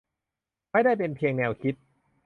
ไม่ได้เป็นเพียงแนวคิด